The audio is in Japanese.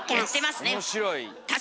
面白い。